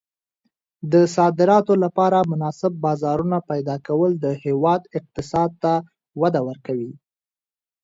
د صادراتو لپاره مناسب بازارونه پیدا کول د هېواد اقتصاد ته وده ورکوي.